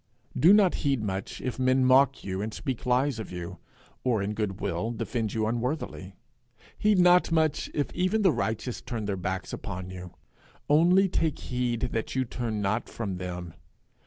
Do not heed much if men mock you and speak lies of you, or in goodwill defend you unworthily. Heed not much if even the righteous turn their backs upon you. Only take heed that you turn not from them.